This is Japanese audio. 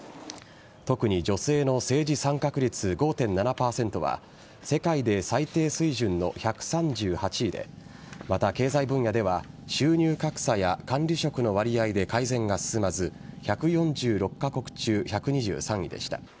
特に女性の政治参画率５．７％は世界で最低水準の１３８位でまた、経済分野では収入格差や管理職の割合で改善が進まず１４６カ国中１２３位でした。